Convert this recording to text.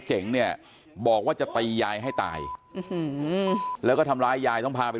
เจ๋งเนี่ยบอกว่าจะตียายให้ตายแล้วก็ทำร้ายยายต้องพาไป